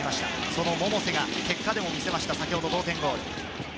その百瀬が結果でも見せました、先ほど同点ゴール。